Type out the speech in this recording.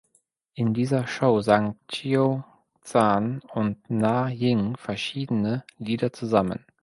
In dieser Show sangen Xiao Zhan und "Na Ying" verschiedene Lieder zusammen.